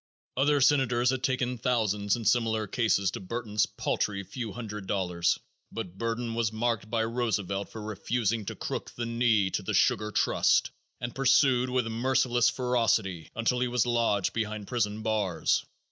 Other senators had taken thousands in similar cases to Burton's paltry few hundred dollars, but Burton was marked by Roosevelt for refusing to crook the knee to the sugar trust and pursued with merciless ferocity until he was lodged behind prison bars.